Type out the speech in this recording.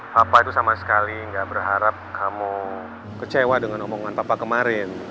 papa itu sama sekali gak berharap kamu kecewa dengan omongan papa kemarin